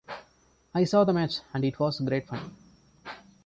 I saw the match, and it was great fun!